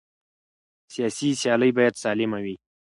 سیاسي سیالۍ باید سالمه وي